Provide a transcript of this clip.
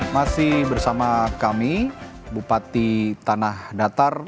masih bersama kami bupati tanah datar